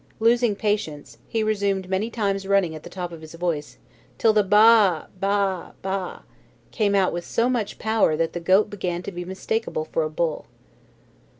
Losing patience, he resumed many times running at the top of his voice, till the "Baa, baa, baa!" came out with so much power that the goat began to be mistakable for a bull.